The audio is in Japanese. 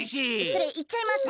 それいっちゃいます！？